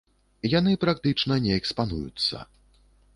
Яны практычна не экспануюцца.